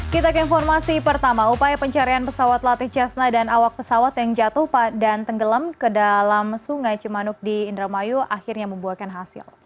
kita ke informasi pertama upaya pencarian pesawat latih jasna dan awak pesawat yang jatuh dan tenggelam ke dalam sungai cimanuk di indramayu akhirnya membuahkan hasil